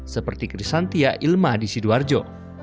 seperti krisantia ilma di sidoarjo